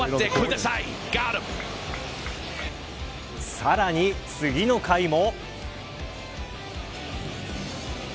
さらに次の回も。